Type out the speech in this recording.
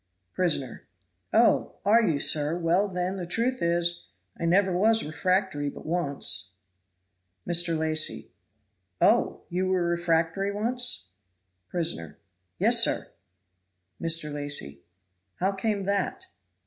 Prisoner. "Oh! are you, sir; well, then, the truth is, I never was refractory but once." Mr. Lacy. "Oh! you were refractory once?" Prisoner. "Yes, sir!" Mr. Lacy. "How came that?"